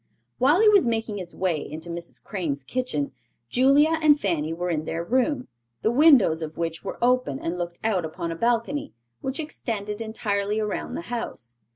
While he was making his way into Mrs. Crane's kitchen, Julia and Fanny were in their room, the windows of which were open and looked out upon a balcony, which extended entirely around the house.